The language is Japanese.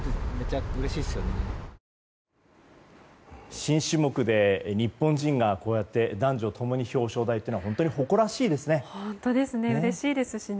新種目で日本人がこうして男女ともに表彰台というのは本当に誇らしいですね。